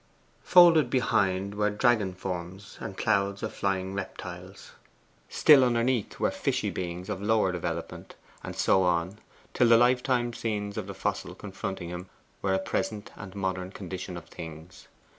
Folded behind were dragon forms and clouds of flying reptiles: still underneath were fishy beings of lower development; and so on, till the lifetime scenes of the fossil confronting him were a present and modern condition of things.